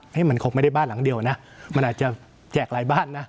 มันคงไม่ได้บ้านหลังเดียวนะมันอาจจะแจกหลายบ้านนะ